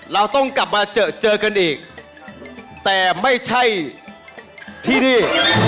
เราต้องกลับมาเจอเจอกันอีกแต่ไม่ใช่ที่นี่